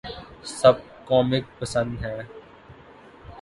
سب کو میک پسند ہیں